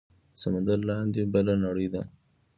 د سمندر لاندې بله نړۍ ده